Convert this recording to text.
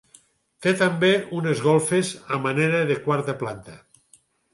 Té també unes golfes a manera de quarta planta.